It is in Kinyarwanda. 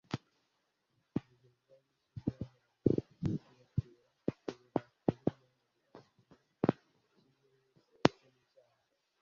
. Urugero rwa Yesu rwahoraga rubatera uburakari. Yangaga ikintu kimwe mw’isi, icyo ni icyaha.